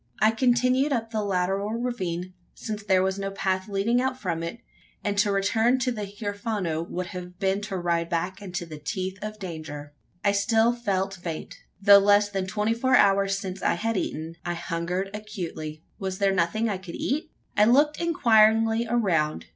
I continued up the lateral ravine since there was no path leading out from it; and to return to the Huerfano, would have been to ride back into the teeth of danger. I still felt faint. Though less than twenty four hours since I had eaten, I hungered acutely. Was there nothing I could eat? I looked inquiringly around.